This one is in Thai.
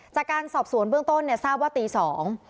จากการสอบสวนเบื้องต้นเนี่ยทราบว่าตีสอง